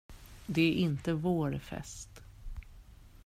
Det är inte vår fest.